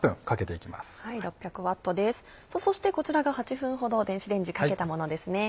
そしてこちらが８分ほど電子レンジかけたものです。